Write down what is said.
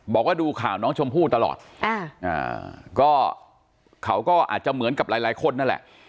บอกว่าดูข่าวน้องชมพู่ตลอดอ่าก็เขาก็อาจจะเหมือนกับหลายหลายคนนั่นแหละ